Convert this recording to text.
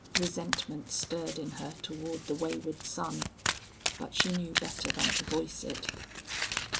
Resentment stirred in her toward the wayward son, but she knew better than to voice it.